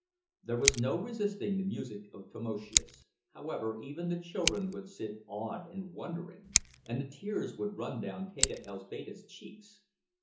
There was no resisting the music of Tamoszius, however; even the children would sit awed and wondering, and the tears would run down Teta Elzbieta's cheeks.